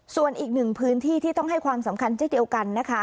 ส่วนอีกหนึ่งพื้นที่ที่ต้องให้ความสำคัญเช่นเดียวกันนะคะ